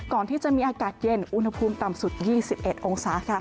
ก่อนที่จะมีอากาศเย็นอุณหภูมิต่ำสุดยี่สิบเอ็ดองศาครับ